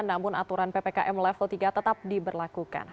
namun aturan ppkm level tiga tetap diberlakukan